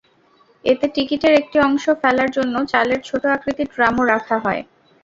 এতে টিকিটের একটি অংশ ফেলার জন্য চালের ছোট আকৃতির ড্রামও রাখা হয়।